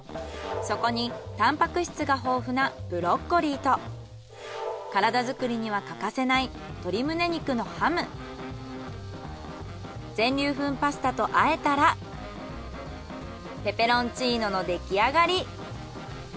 そこにタンパク質が豊富なブロッコリーと体作りには欠かせない全粒粉パスタと和えたらペペロンチーノの出来上がり。